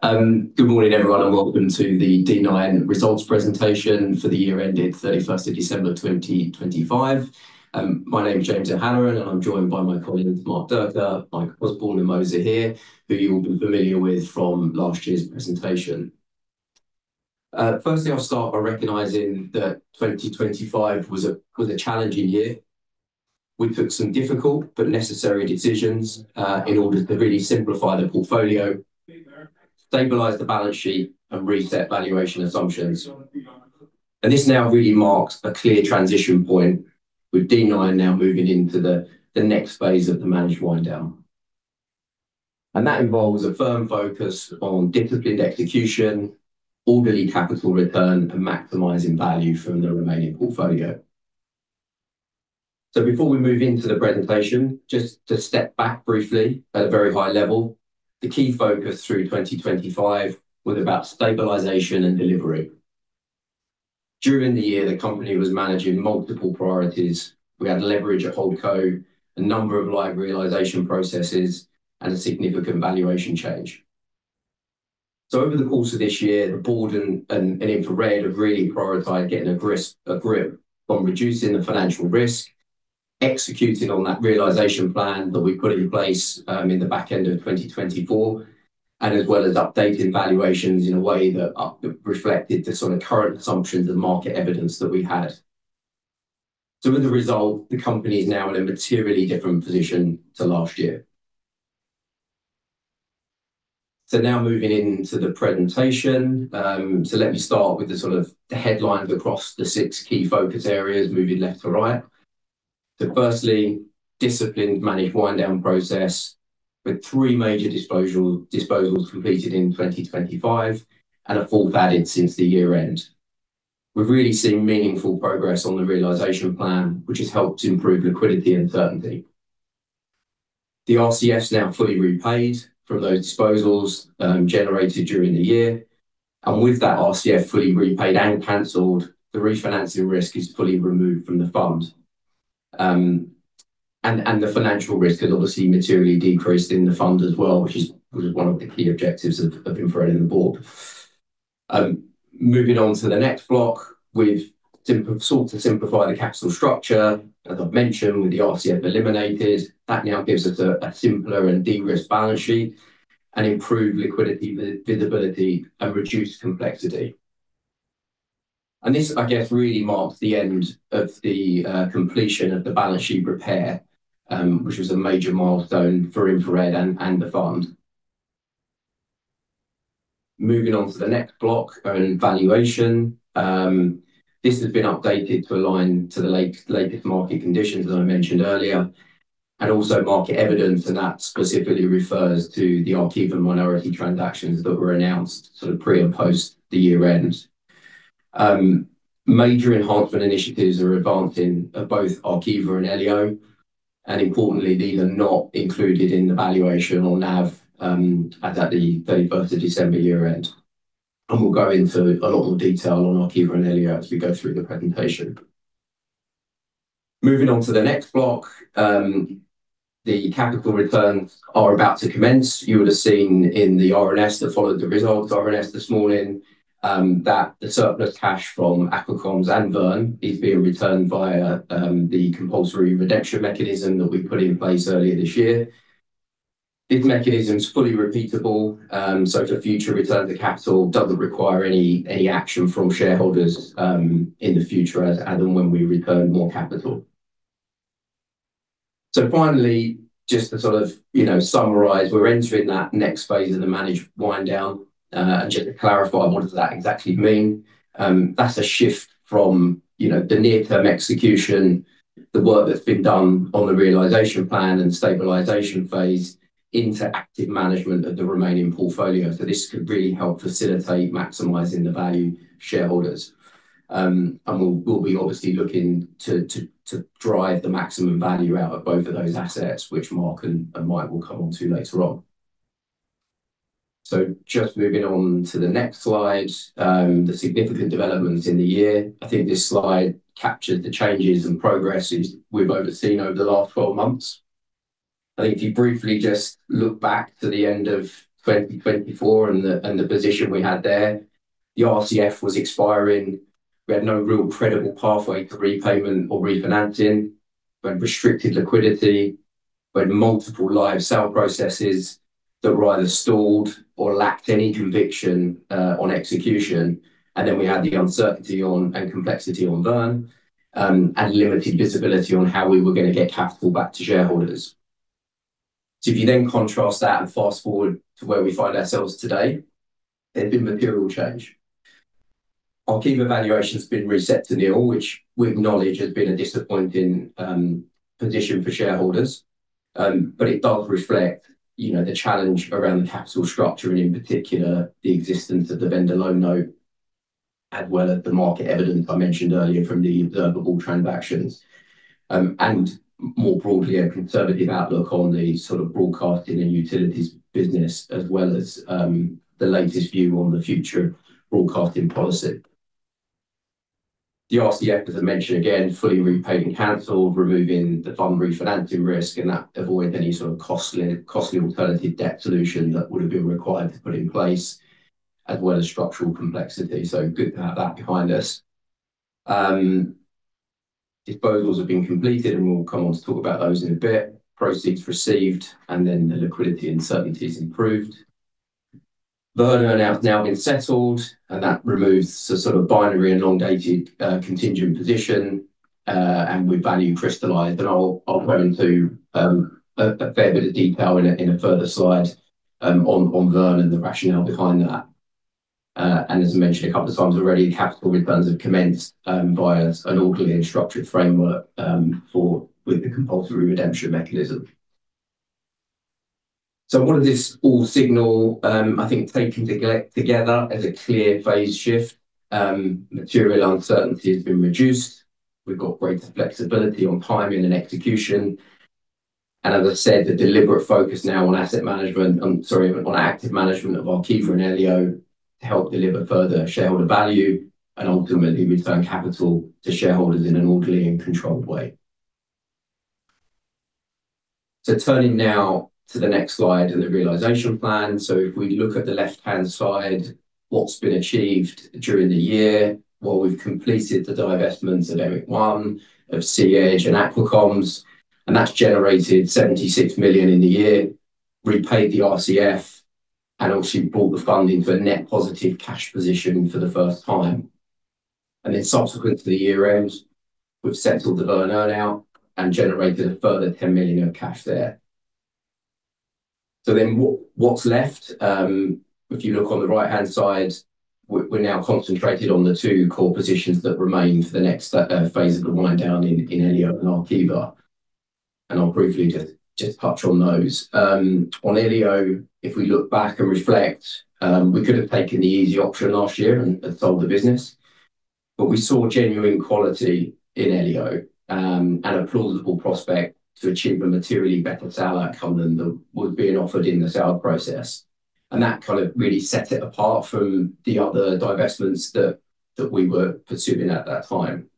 Good morning, everyone, and welcome to the D9 results presentation for the year ended 31st of December 2025. My name is James O'Halloran, and I'm joined by my colleagues, Marc Durka, Mike Osborne, and Mo Zaheer, who you'll be familiar with from last year's presentation. Firstly, I'll start by recognizing that 2025 was a challenging year. We took some difficult but necessary decisions in order to really simplify the portfolio, stabilize the balance sheet, and reset valuation assumptions. This now really marks a clear transition point with D9 now moving into the next phase of the managed wind down. That involves a firm focus on disciplined execution, orderly capital return, and maximizing value from the remaining portfolio. Before we move into the presentation, just to step back briefly at a very high level, the key focus through 2025 was about stabilization and delivery. During the year, the company was managing multiple priorities. We had leverage at HoldCo, a number of live realization processes, and a significant valuation change. Over the course of this year, the board and InfraRed have really prioritized getting a grip on reducing the financial risk, executing on that realization plan that we put in place, in the back end of 2024, and as well as updated valuations in a way that reflected the sort of current assumptions and market evidence that we had. As a result, the company is now in a materially different position to last year. Now moving into the presentation. Let me start with the sort of the headlines across the six key focus areas, moving left to right. Firstly, disciplined managed wind-down process with three major disposals completed in 2025 and a fourth added since the year-end. We've really seen meaningful progress on the realization plan, which has helped improve liquidity and certainty. The RCF is now fully repaid from those disposals generated during the year. And with that RCF fully repaid and canceled, the refinancing risk is fully removed from the fund. And the financial risk has obviously materially decreased in the fund as well, which is one of the key objectives of InfraRed and the board. Moving on to the next block. We've sought to simplify the capital structure, as I've mentioned, with the RCF eliminated. That now gives us a simpler and de-risked balance sheet and improved liquidity visibility and reduced complexity. And this, I guess, really marks the end of the completion of the balance sheet repair, which was a major milestone for InfraRed and the fund. Moving on to the next block, earn out and valuation. This has been updated to align to the latest market conditions that I mentioned earlier, and also market evidence, and that specifically refers to the Arqiva minority transactions that were announced sort of pre and post the year-end. Major enhancement initiatives are advancing at both Arqiva and Elio. Importantly, these are not included in the valuation or NAV as at the 31st of December year-end. We'll go into a lot more detail on Arqiva and Elio as we go through the presentation. Moving on to the next block. The capital returns are about to commence. You would have seen in the RNS that followed the results RNS this morning, that the surplus cash from Aqua Comms and Verne is being returned via the compulsory redemption mechanism that we put in place earlier this year. This mechanism is fully repeatable, so to future return the capital doesn't require any action from shareholders in the future as and when we return more capital. Finally, just to sort of summarize, we're entering that next phase of the managed wind down. Just to clarify, what does that exactly mean? That's a shift from the near-term execution, the work that's been done on the realization plan and stabilization phase into active management of the remaining portfolio. This could really help facilitate maximizing the value shareholders. We'll be obviously looking to drive the maximum value out of both of those assets, which Marc and Mike will come on to later on. Just moving on to the next slide, the significant developments in the year, I think this slide captures the changes and progresses we've overseen over the last 12 months. I think if you briefly just look back to the end of 2024 and the position we had there, the RCF was expiring. We had no real credible pathway to repayment or refinancing. We had restricted liquidity. We had multiple live sale processes that were either stalled or lacked any conviction on execution. We had the uncertainty on and complexity on Verne, and limited visibility on how we were going to get capital back to shareholders. If you then contrast that and fast-forward to where we find ourselves today, there's been material change. Arqiva valuation has been reset to nil, which we acknowledge has been a disappointing position for shareholders. It does reflect the challenge around the capital structure and in particular, the existence of the vendor loan note, as well as the market evidence I mentioned earlier from the observable transactions, and more broadly, a conservative outlook on the sort of broadcasting and utilities business, as well as the latest view on the future of broadcasting policy. The RCF, as I mentioned again, fully repaid and canceled, removing the fund refinancing risk and that avoids any sort of costly alternative debt solution that would have been required to put in place, as well as structural complexity. Good to have that behind us. Disposals have been completed and we'll come on to talk about those in a bit. Proceeds received and then the liquidity and certainty is improved. Verne has now been settled and that removes the sort of binary and elongated contingent position, and with value crystallized. I'll go into a fair bit of detail in a further slide on Verne and the rationale behind that. As I mentioned a couple of times already, capital returns have commenced via an orderly and structured framework with the compulsory redemption mechanism. What does this all signal? I think taken together as a clear phase shift, material uncertainty has been reduced. We've got greater flexibility on timing and execution. As I said, the deliberate focus now on active management of Arqiva and Elio to help deliver further shareholder value and ultimately return capital to shareholders in an orderly and controlled way. Turning now to the next slide and the realization plan. If we look at the left-hand side, what's been achieved during the year, well, we've completed the divestments at EMIC-1, SeaEdge, and Aqua Comms, and that's generated 76 million in the year, repaid the RCF, and obviously brought the funding for net positive cash position for the first time. Subsequent to the year-end, we've settled the Verne earn-out and generated a further 10 million of cash there. What's left? If you look on the right-hand side, we're now concentrated on the two core positions that remain for the next phase of the wind-down in Elio and Arqiva. I'll briefly just touch on those. On Elio, if we look back and reflect, we could have taken the easy option last year and sold the business. We saw genuine quality in Elio and a plausible prospect to achieve a materially better sale outcome than was being offered in the sale process. That kind of really set it apart from the other divestments that we were pursuing at that time.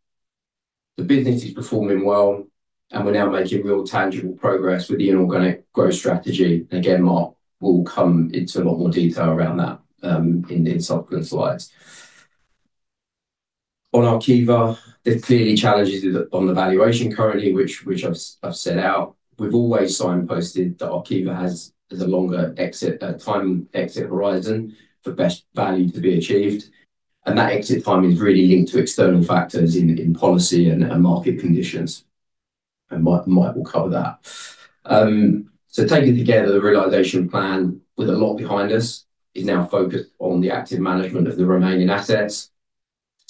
The business is performing well, and we're now making real tangible progress with the inorganic growth strategy. Again, Marc will come into a lot more detail around that in subsequent slides. On Arqiva, there's clearly challenges on the valuation currently, which I've set out. We've always signposted that Arqiva has a longer exit time, exit horizon for best value to be achieved, and that exit timing is really linked to external factors in policy and market conditions. Mike will cover that. Taken together, the realization plan with a lot behind us is now focused on the active management of the remaining assets,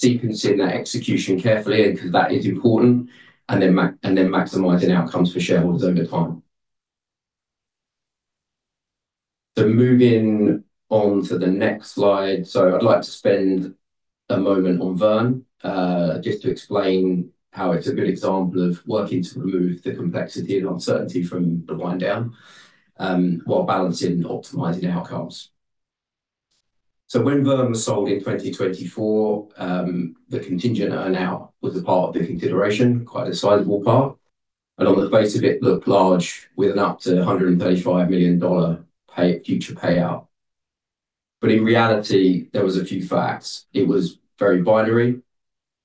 sequencing that execution carefully because that is important, and then maximizing outcomes for shareholders over time. Moving on to the next slide. I'd like to spend a moment on Verne just to explain how it's a good example of working to remove the complexity and uncertainty from the wind down, while balancing optimizing outcomes. When Verne was sold in 2024, the contingent earn-out was a part of the consideration, quite a sizable part. On the face of it looked large with an up to $135 million future payout. In reality, there was a few facts. It was very binary.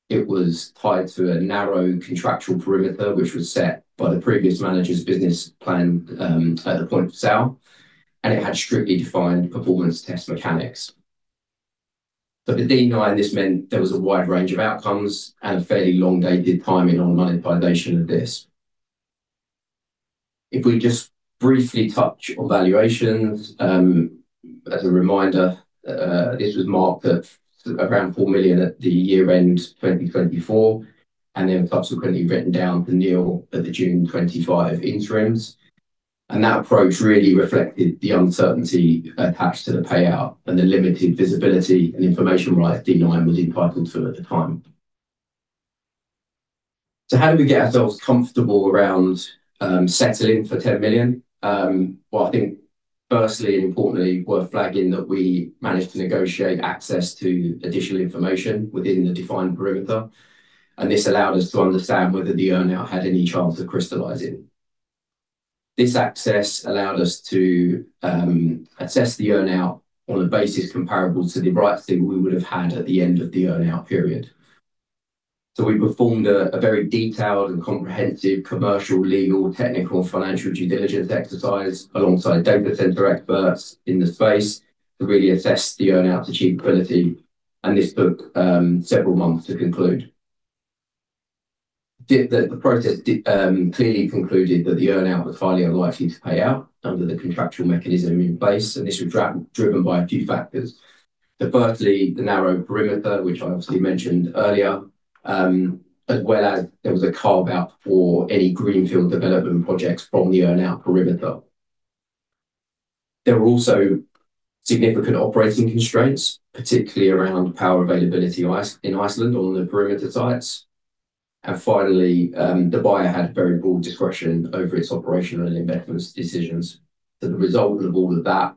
It was tied to a narrow contractual perimeter, which was set by the previous manager's business plan at the point of sale, and it had strictly defined performance test mechanics. The D9, this meant there was a wide range of outcomes and a fairly long-dated timing on monetization of this. If we just briefly touch on valuations, as a reminder, this was marked at around 4 million at the year-end 2024, and then subsequently written down to nil at the June 2025 interims. That approach really reflected the uncertainty attached to the payout and the limited visibility and information right D9 was entitled to at the time. How did we get ourselves comfortable around settling for 10 million? Well, I think firstly and importantly worth flagging that we managed to negotiate access to additional information within the defined perimeter, and this allowed us to understand whether the earn-out had any chance of crystallizing. This access allowed us to assess the earn-out on a basis comparable to the rights that we would have had at the end of the earn-out period. We performed a very detailed and comprehensive commercial, legal, technical, financial due diligence exercise alongside data center experts in the space to really assess the earn-out achievability, and this took several months to conclude. The process clearly concluded that the earn-out was highly unlikely to pay out under the contractual mechanism in place, and this was driven by a few factors. Firstly, the narrow perimeter, which I obviously mentioned earlier, as well as there was a carve-out for any greenfield development projects from the earn-out perimeter. There were also significant operating constraints, particularly around power availability in Iceland on the perimeter sites. Finally, the buyer had very broad discretion over its operational and investment decisions. The result of all of that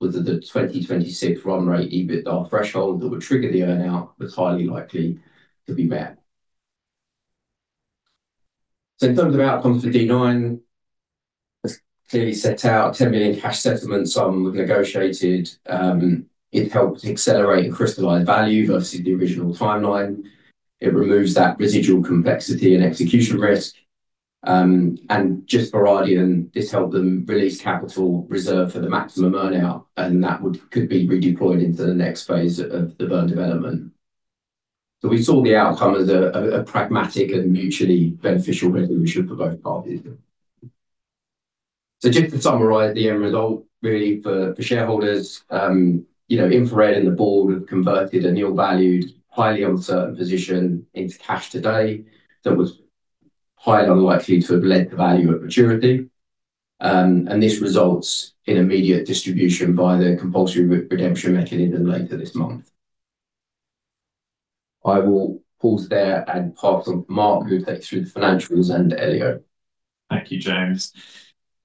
was that the 2026 run rate EBITDA threshold that would trigger the earn-out was highly likely to be met. In terms of outcomes for D9, as clearly set out, 10 million cash settlement sum was negotiated. It helped accelerate and crystallize value versus the original timeline. It removes that residual complexity and execution risk. Just for Ardian, this helped them release capital reserved for the maximum earn-out, and that could be redeployed into the next phase of the Verne development. We saw the outcome as a pragmatic and mutually beneficial resolution for both parties. Just to summarize the end result really for shareholders, InfraRed and the board have converted a nil-valued, highly uncertain position into cash today that was highly unlikely to have led to value at maturity. This results in immediate distribution via the compulsory redemption mechanism later this month. I will pause there and pass on to Marc, who'll take you through the financials and Elio. Thank you, James.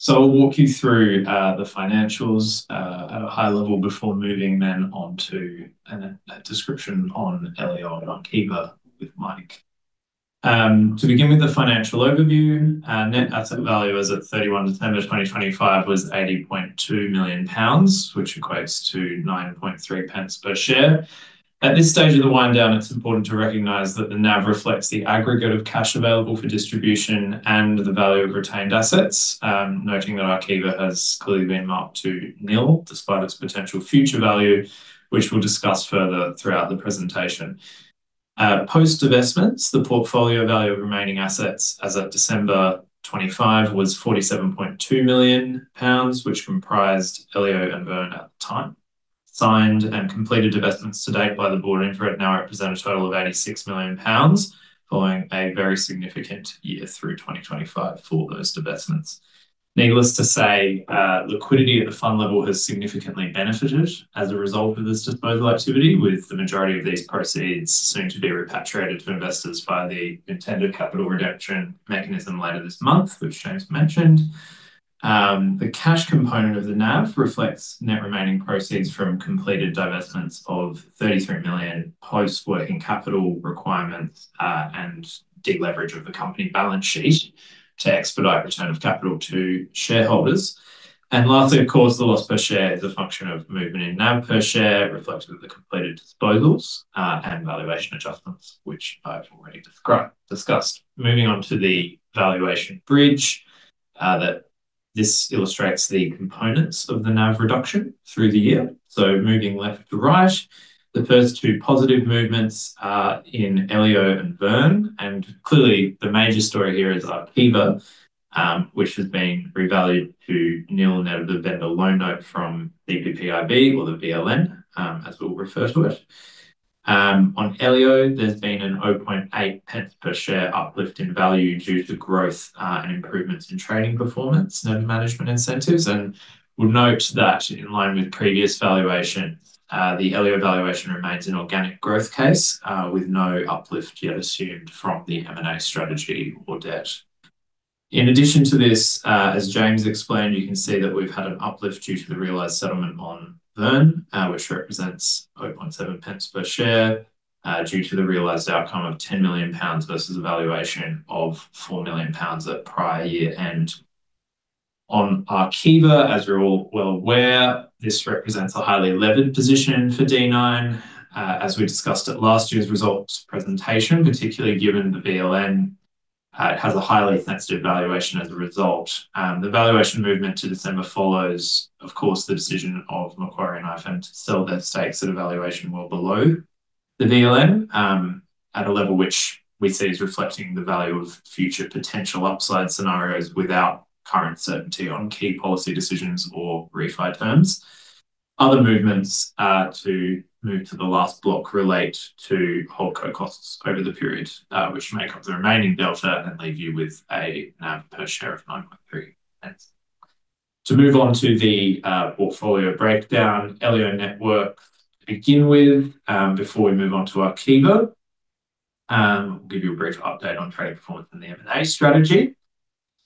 I'll walk you through the financials at a high level before moving then on to a description on Elio and Arqiva with Mike. To begin with, the financial overview. Net asset value as at 31 December 2025 was 80.2 million pounds, which equates to 0.093 per share. At this stage of the wind-down, it's important to recognize that the NAV reflects the aggregate of cash available for distribution and the value of retained assets, noting that Arqiva has clearly been marked to nil, despite its potential future value, which we'll discuss further throughout the presentation. Post divestments, the portfolio value of remaining assets as at December 2025 was 47.2 million pounds, which comprised Elio and Verne at the time. Signed and completed divestments to date by the board of InfraRed now represent a total of 86 million pounds, following a very significant year through 2025 for those divestments. Needless to say, liquidity at the fund level has significantly benefited as a result of this disposal activity, with the majority of these proceeds soon to be repatriated to investors via the intended capital reduction mechanism later this month, which James mentioned. The cash component of the NAV reflects net remaining proceeds from completed divestments of 33 million, post working capital requirements, and deleverage of the company balance sheet to expedite return of capital to shareholders. Lastly, of course, the loss per share is a function of movement in NAV per share, reflective of the completed disposals, and valuation adjustments, which I've already discussed. Moving on to the valuation bridge, this illustrates the components of the NAV reduction through the year. Moving left to right, the first two positive movements are in Elio and Verne, and clearly the major story here is Arqiva, which has been revalued to nil net of the vendor loan note from CPPIB, or the VLN, as we'll refer to it. On Elio, there's been a 0.008 per share uplift in value due to growth and improvements in trading performance and management incentives. We'll note that in line with previous valuation, the Elio valuation remains an organic growth case, with no uplift yet assumed from the M&A strategy or debt. In addition to this, as James explained, you can see that we've had an uplift due to the realized settlement on Verne, which represents 0.007 per share, due to the realized outcome of 10 million pounds versus a valuation of 4 million pounds at prior year-end. On Arqiva, as we're all well aware, this represents a highly levered position for D9, as we discussed at last year's results presentation, particularly given the VLN has a highly sensitive valuation as a result. The valuation movement to December follows, of course, the decision of Macquarie and IFM to sell their stakes at a valuation well below the VLN, at a level which we see as reflecting the value of future potential upside scenarios without current certainty on key policy decisions or refi terms. Other movements, to move to the last block, relate to HoldCo costs over the period, which make up the remaining delta and leave you with a NAV per share of 0.093. To move on to the portfolio breakdown, Elio Networks to begin with, before we move on to Arqiva. I'll give you a brief update on trading performance and the M&A strategy.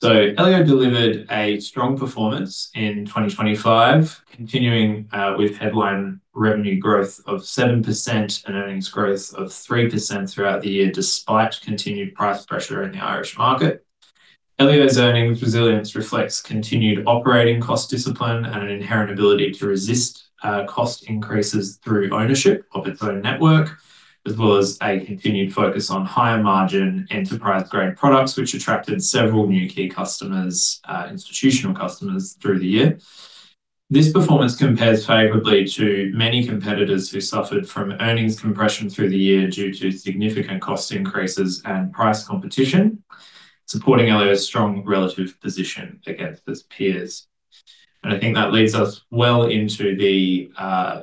Elio delivered a strong performance in 2025, continuing with headline revenue growth of 7% and earnings growth of 3% throughout the year, despite continued price pressure in the Irish market. Elio's earnings resilience reflects continued operating cost discipline and an inherent ability to resist cost increases through ownership of its own network, as well as a continued focus on higher-margin enterprise-grade products, which attracted several new key customers, institutional customers, through the year. This performance compares favorably to many competitors who suffered from earnings compression through the year due to significant cost increases and price competition, supporting Elio's strong relative position against its peers. I think that leads us well into the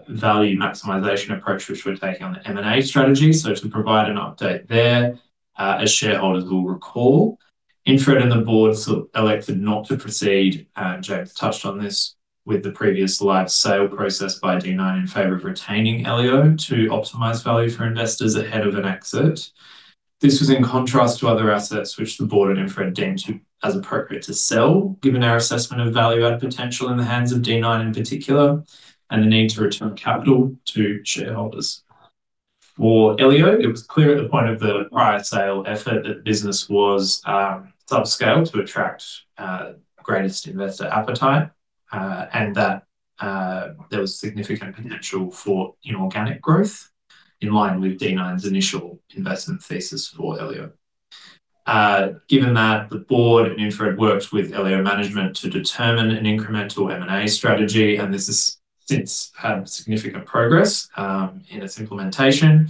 value maximization approach, which we're taking on the M&A strategy. To provide an update there, as shareholders will recall, InfraRed and the board elected not to proceed, and James touched on this with the previous live sale process by D9, in favor of retaining Elio to optimize value for investors ahead of an exit. This was in contrast to other assets which the board and InfraRed deemed as appropriate to sell, given our assessment of value-add potential in the hands of D9 in particular, and the need to return capital to shareholders. For Elio, it was clear at the point of the prior sale effort that the business was subscale to attract greatest investor appetite, and that there was significant potential for inorganic growth in line with D9's initial investment thesis for Elio. Given that, the board and InfraRed worked with Elio management to determine an incremental M&A strategy, and this has since had significant progress in its implementation.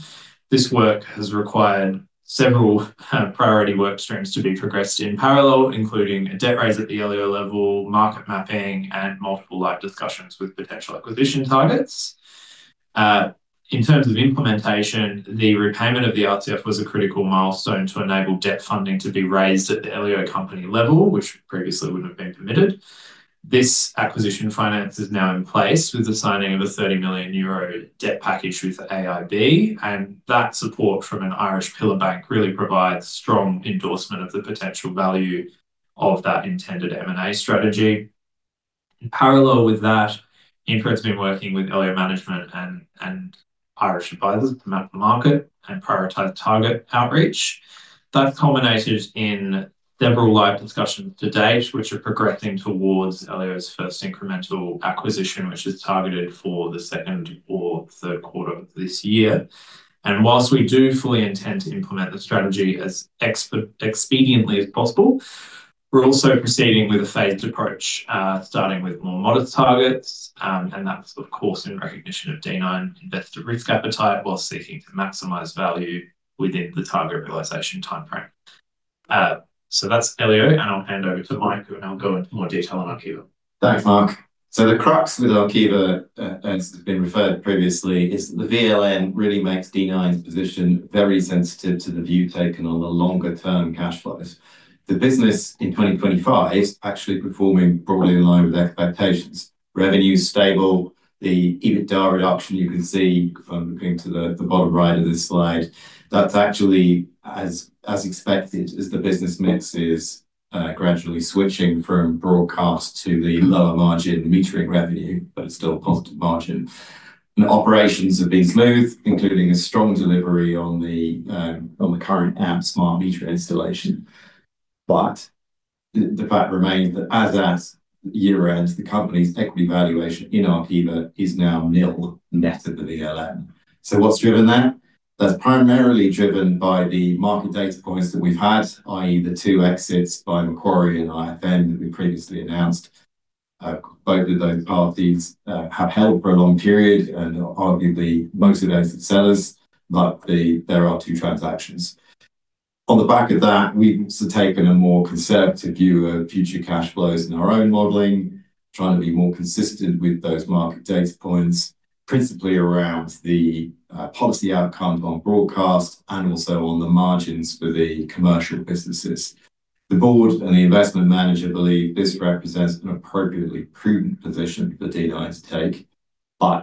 This work has required several priority workstreams to be progressed in parallel, including a debt raise at the Elio level, market mapping, and multiple live discussions with potential acquisition targets. In terms of implementation, the repayment of the RCF was a critical milestone to enable debt funding to be raised at the Elio company level, which previously wouldn't have been permitted. This acquisition finance is now in place with the signing of a 30 million euro debt package with AIB, and that support from an Irish pillar bank really provides strong endorsement of the potential value of that intended M&A strategy. In parallel with that, InfraRed's been working with Elio management and Irish advisors to map the market and prioritize target outreach. That's culminated in several live discussions to date, which are progressing towards Elio's first incremental acquisition, which is targeted for the second or third quarter of this year. Whilst we do fully intend to implement the strategy as expediently as possible, we're also proceeding with a phased approach, starting with more modest targets. That's of course in recognition of D9 investor risk appetite, while seeking to maximize value within the target realization timeframe. That's Elio, and I'll hand over to Mike who now go into more detail on Arqiva. Thanks, Marc. The crux with Arqiva, as has been referred previously, is the VLN really makes D9's position very sensitive to the view taken on the longer-term cash flows. The business in 2025 is actually performing broadly in line with expectations. Revenue's stable. The EBITDA reduction you can see if I'm looking to the bottom right of this slide, that's actually as expected as the business mix is gradually switching from broadcast to the lower-margin metering revenue, but it's still positive margin. Operations have been smooth, including a strong delivery on the current AMP smart meter installation. The fact remains that as at year-end, the company's equity valuation in Arqiva is now nil net of the VLN. What's driven that? That's primarily driven by the market data points that we've had, i.e., the two exits by Macquarie and IFM that we previously announced. Both of those parties have held for a long period and are arguably mostly those sellers, but there are two transactions. On the back of that, we've also taken a more conservative view of future cash flows in our own modeling, trying to be more consistent with those market data points, principally around the policy outcome on broadcast and also on the margins for the commercial businesses. The board and the Investment Manager believe this represents an appropriately prudent position for D9 to take.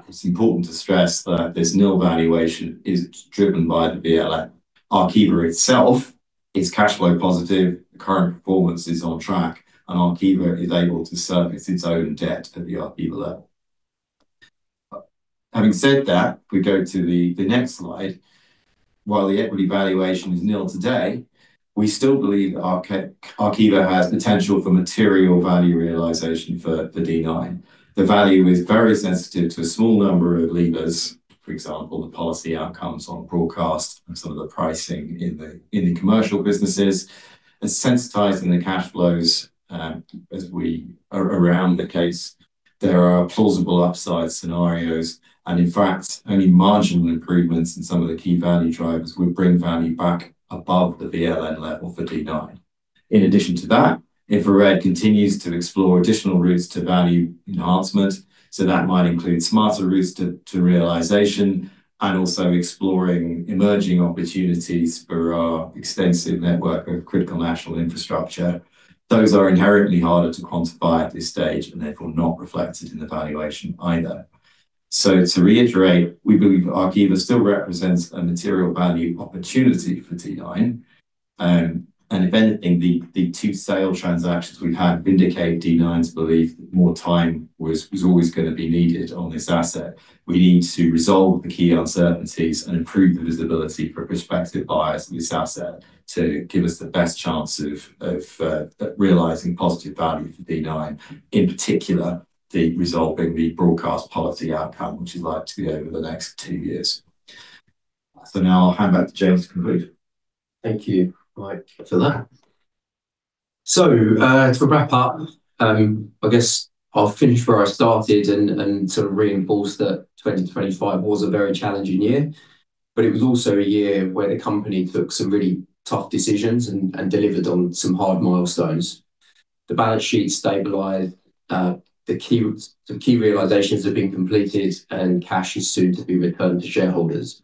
It's important to stress that this nil valuation is driven by the VLN. Arqiva itself is cash flow positive. The current performance is on track, and Arqiva is able to service its own debt at the Arqiva level. Having said that, if we go to the next slide, while the equity valuation is nil today, we still believe Arqiva has potential for material value realization for D9. The value is very sensitive to a small number of levers, for example, the policy outcomes on broadcast and some of the pricing in the commercial businesses. As sensitized in the cash flows, around the case, there are plausible upside scenarios, and in fact, only marginal improvements in some of the key value drivers would bring value back above the VLN level for D9. In addition to that, InfraRed continues to explore additional routes to value enhancement, so that might include smarter routes to realization and also exploring emerging opportunities for our extensive network of critical national infrastructure. Those are inherently harder to quantify at this stage and therefore not reflected in the valuation either. To reiterate, we believe Arqiva still represents a material value opportunity for D9. If anything, the two sale transactions we've had vindicate D9's belief more time was always going to be needed on this asset. We need to resolve the key uncertainties and improve the visibility for prospective buyers of this asset to give us the best chance of realizing positive value for D9, in particular, resolving the broadcast policy outcome, which is likely over the next two years. Now I'll hand back to James to conclude. Thank you, Mike, for that. To wrap up, I guess I'll finish where I started and sort of reinforce that 2025 was a very challenging year, but it was also a year where the company took some really tough decisions and delivered on some hard milestones. The balance sheet stabilized. The key realizations have been completed, and cash is soon to be returned to shareholders.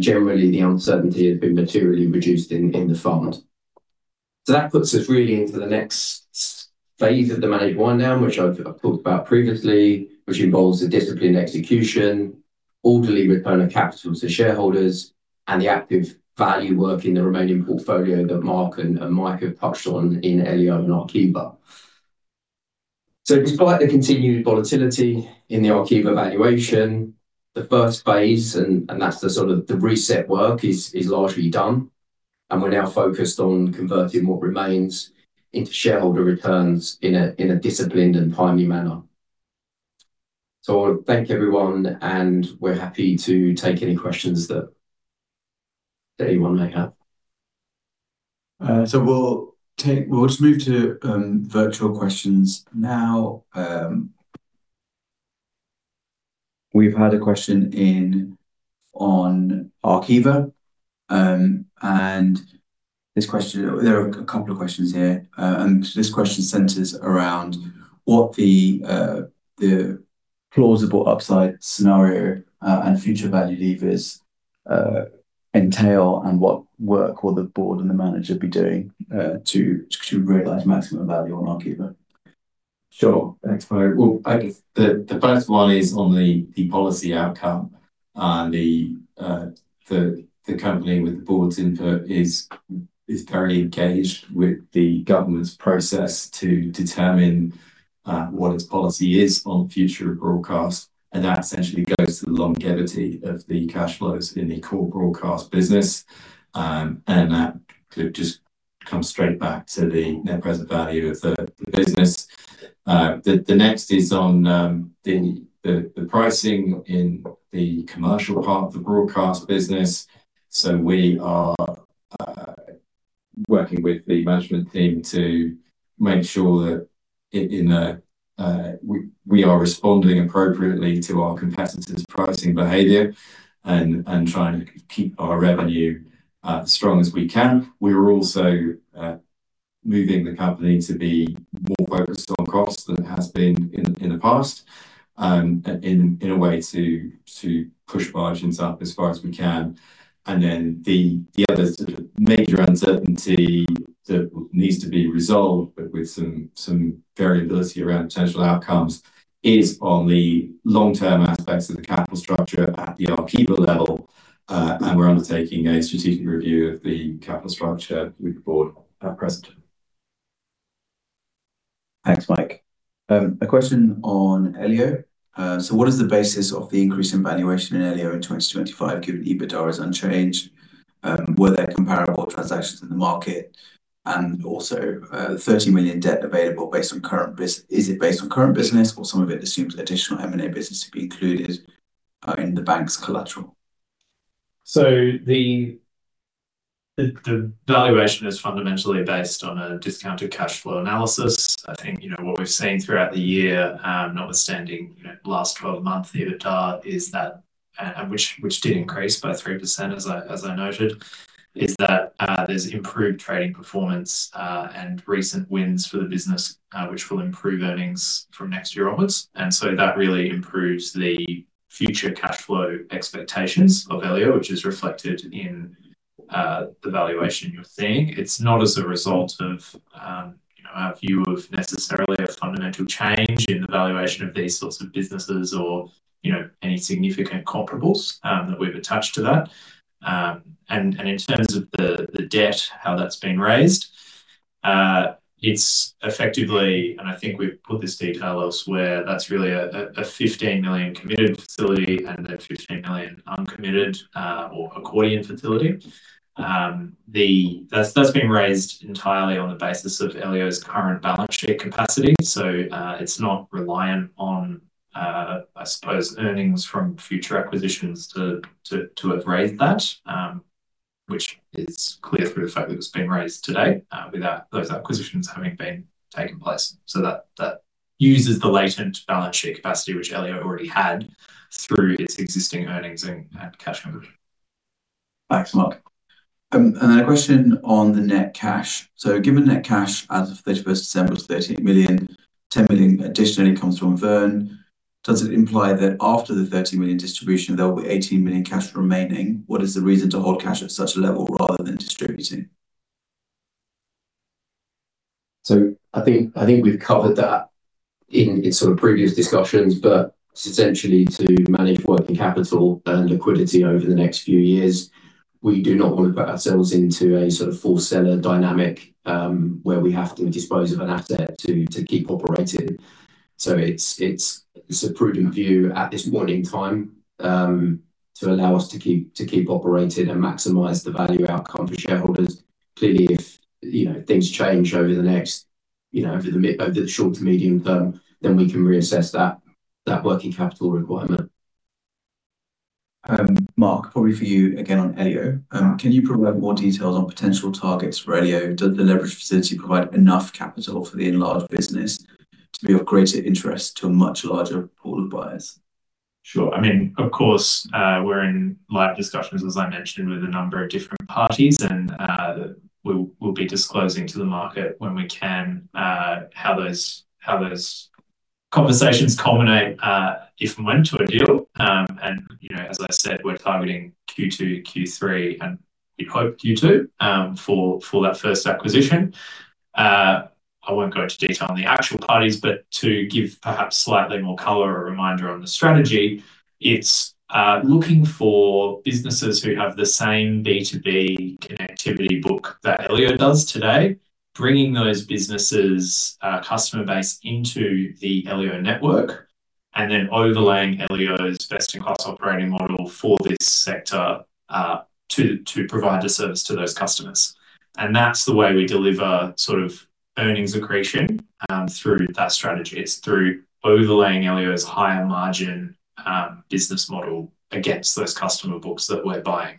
Generally, the uncertainty has been materially reduced in the fund. That puts us really into the next phase of the managed wind down, which I've talked about previously, which involves the disciplined execution, orderly return of capital to shareholders, and the active value work in the remaining portfolio that Marc and Mike have touched on in Elio and Arqiva. Despite the continued volatility in the Arqiva valuation, the first phase, and that's the sort of the reset work, is largely done. We're now focused on converting what remains into shareholder returns in a disciplined and timely manner. I thank everyone, and we're happy to take any questions that anyone may have. We'll just move to virtual questions now. We've had a question in on Arqiva, and there are a couple of questions here. This question centers around what the plausible upside scenario and future value levers entail, and what work will the board and the Manager be doing to realize maximum value on Arqiva? Sure. Thanks, Mo. Well, I guess the first one is on the policy outcome. The company, with the board's input, is currently engaged with the Government's process to determine what its policy is on future broadcast, and that essentially goes to the longevity of the cash flows in the core broadcast business. That could just come straight back to the net present value of the business. The next is on the pricing in the commercial part of the broadcast business. We are working with the management team to make sure that we are responding appropriately to our competitors' pricing behavior and trying to keep our revenue as strong as we can. We are also moving the Company to be more focused on costs than it has been in the past, in a way to push margins up as far as we can. The other sort of major uncertainty that needs to be resolved, but with some variability around potential outcomes is on the long-term aspects of the capital structure at the Arqiva level. We're undertaking a strategic review of the capital structure with the board at present. `Thanks, Mike. A question on Elio. What is the basis of the increase in valuation in Elio in 2025 given EBITDA is unchanged? Were there comparable transactions in the market? Also, 30 million debt available based on current business, is it based on current business or some of it assumes additional M&A business to be included in the bank's collateral? The valuation is fundamentally based on a discounted cash flow analysis. I think what we've seen throughout the year, notwithstanding last 12 months EBITDA, which did increase by 3% as I noted, is that there's improved trading performance, and recent wins for the business, which will improve earnings from next year onwards. That really improves the future cash flow expectations of Elio, which is reflected in the valuation you're seeing. It's not as a result of our view of necessarily a fundamental change in the valuation of these sorts of businesses or any significant comparables that we've attached to that. In terms of the debt, how that's been raised, it's effectively, and I think we've put this detail elsewhere, that's really a 15 million committed facility and a 15 million uncommitted, or accordion facility. That's been raised entirely on the basis of Elio's current balance sheet capacity. It's not reliant on, I suppose, earnings from future acquisitions to have raised that, which is clear through the fact that it's been raised to date, without those acquisitions having been taking place. That uses the latent balance sheet capacity, which Elio already had through its existing earnings and cash conversion. Thanks, Mark. A question on the net cash. Given net cash as of 31st December was 13 million, 10 million additionally comes from Verne, does it imply that after the 13 million distribution, there'll be 18 million cash remaining? What is the reason to hold cash at such a level rather than distributing? I think we've covered that in sort of previous discussions. It's essentially to manage working capital and liquidity over the next few years. We do not want to put ourselves into a sort of forced seller dynamic, where we have to dispose of an asset to keep operating. It's a prudent view at this point in time, to allow us to keep operating and maximize the value outcome for shareholders. Clearly, if things change over the short to medium term, then we can reassess that working capital requirement. Marc, probably for you again on Elio. Yeah. Can you provide more details on potential targets for Elio? Does the leverage facility provide enough capital for the enlarged business to be of greater interest to a much larger pool of buyers? Sure. Of course, we're in live discussions, as I mentioned, with a number of different parties, and we'll be disclosing to the market when we can how those conversations culminate, if and when, to a deal. As I said, we're targeting Q2, Q3, and we hope Q2 for that first acquisition. I won't go into detail on the actual parties, but to give perhaps slightly more color or reminder on the strategy, it's looking for businesses who have the same B2B connectivity book that Elio does today, bringing those businesses' customer base into the Elio network, and then overlaying Elio's best-in-cost operating model for this sector to provide the service to those customers. That's the way we deliver earnings accretion through that strategy. It's through overlaying Elio's higher margin business model against those customer books that we're buying.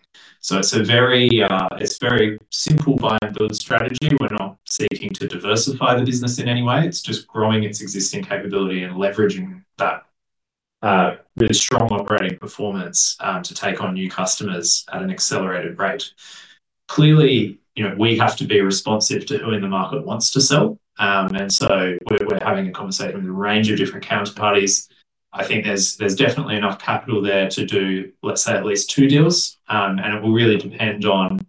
It's a very simple buy and build strategy. We're not seeking to diversify the business in any way. It's just growing its existing capability and leveraging that with a strong operating performance to take on new customers at an accelerated rate. Clearly, we have to be responsive to who in the market wants to sell. We're having a conversation with a range of different counterparties. I think there's definitely enough capital there to do, let's say, at least two deals. It will really depend on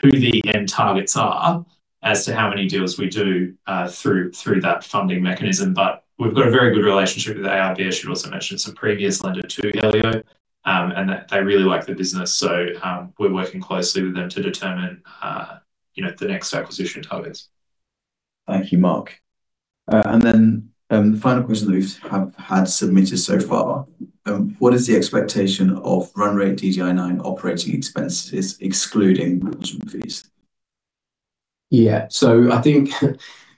who the end targets are as to how many deals we do through that funding mechanism. We've got a very good relationship with AIB. I should also mention it's a previous lender to Elio, and they really like the business. We're working closely with them to determine the next acquisition targets. Thank you, Marc. The final question that we've had submitted so far, what is the expectation of run rate DGI9 operating expenses excluding management fees? Yeah. I think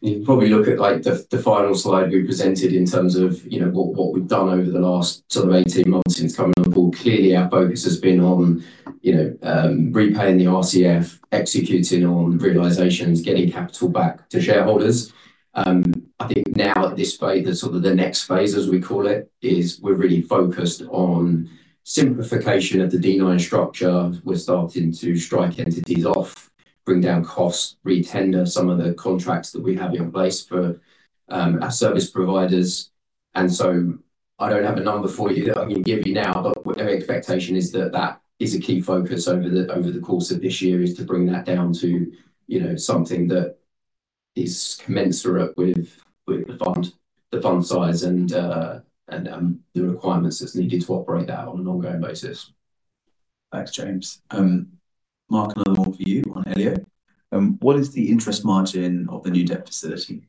you can probably look at the final slide we presented in terms of what we've done over the last 18 months since coming on board. Clearly, our focus has been on repaying the RCF, executing on realizations, getting capital back to shareholders. I think now at this phase, the next phase, as we call it, is we're really focused on simplification of the D9 structure. We're starting to strike entities off, bring down costs, retender some of the contracts that we have in place for our service providers. I don't have a number for you that I can give you now, but our expectation is that that is a key focus over the course of this year, is to bring that down to something that is commensurate with the fund size and the requirements that's needed to operate that on an ongoing basis. Thanks, James. Marc, another one for you on Elio. What is the interest margin of the new debt facility?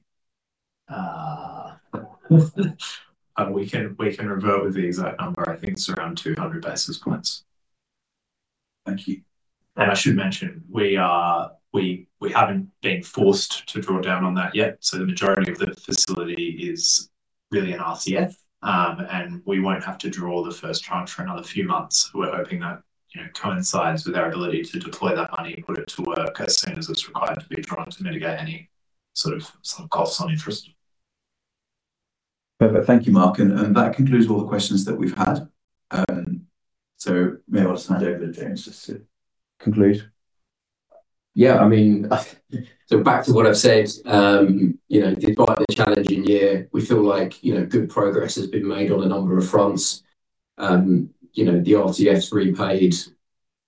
We can revert with the exact number. I think it's around 200 basis points. Thank you. I should mention, we haven't been forced to draw down on that yet. The majority of the facility is really an RCF, and we won't have to draw the first tranche for another few months. We're hoping that coincides with our ability to deploy that money and put it to work as soon as it's required to be drawn to mitigate any sort of costs on interest. Perfect. Thank you, Marc. That concludes all the questions that we've had. May I just hand over to James just to conclude? Yeah. Back to what I've said. Despite the challenging year, we feel like good progress has been made on a number of fronts. The RCF's repaid.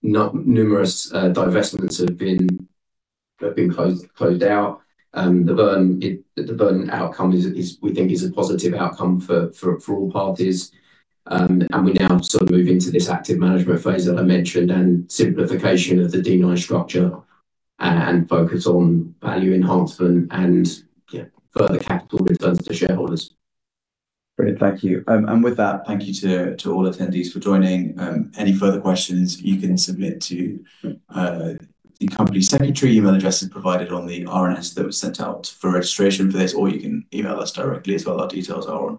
Numerous divestments have been closed out. The Verne outcome is, we think, a positive outcome for all parties. We now move into this active management phase that I mentioned and simplification of the D9 structure and focus on value enhancement and further capital returns to shareholders. Brilliant. Thank you. With that, thank you to all attendees for joining. Any further questions you can submit to the company secretary. Email address is provided on the RNS that was sent out for registration for this, or you can email us directly as well. Our details are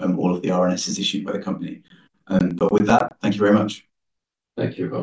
on all of the RNSs issued by the company. With that, thank you very much. Thank you, guys.